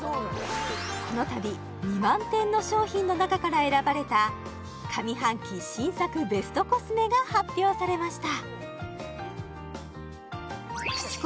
このたび２万点の商品の中から選ばれた上半期新作ベストコスメが発表されました